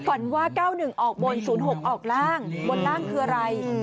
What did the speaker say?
ฝันว่าเก้าหนึ่งออกบนศูนย์หกออกล่างบนล่างคืออะไรอืม